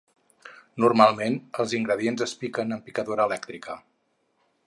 Normalment els ingredients es piquen amb picadora elèctrica.